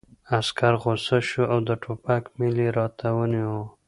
عسکر غوسه شو او د ټوپک میل یې راته ونیو